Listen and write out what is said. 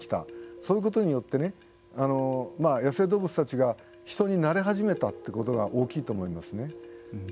そういうことによって野生動物たちが人になれ始めたということが大きいと思いますね。